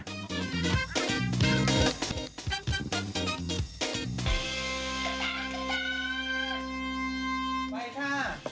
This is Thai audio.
ไปค่ะ